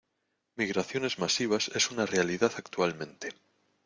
Migraciones masivas es una realidad actualmente.